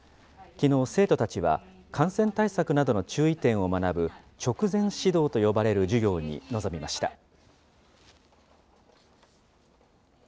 きのう、生徒たちは、感染対策などの注意点を学ぶ、直前指導と呼ばれる授業に臨みました。